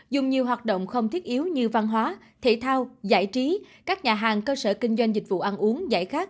dùng nhiều hoạt động không thiết yếu như văn hóa thể thao giải trí các nhà hàng cơ sở kinh doanh dịch vụ ăn uống giải khát